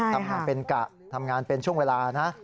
ทำงานเป็นกะทำงานเป็นช่วงเวลานะ